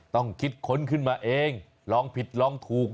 ต้องคิดค้นขึ้นมาเองลองผิดลองถูก